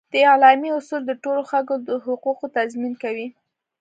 د اعلامیه اصول د ټولو خلکو د حقوقو تضمین کوي.